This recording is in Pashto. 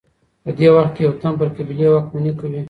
په دې وخت کي یو تن پر قبیلې واکمني کوي.